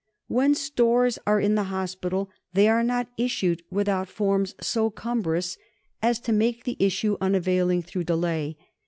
When stores are in the hospital, they are not issued without forms so cumbrous as to make the issue unavailing through delay.